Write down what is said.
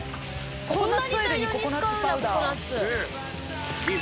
こんなに大量に使うんだココナツ。